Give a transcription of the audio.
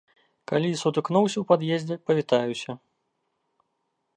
Калі сутыкнуся ў пад'ездзе, павітаюся.